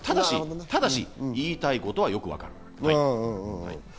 ただし言いたいことは、よくわかる。